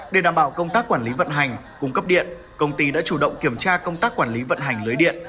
để đảm bảo công tác quản lý vận hành cung cấp điện công ty đã chủ động kiểm tra công tác quản lý vận hành lưới điện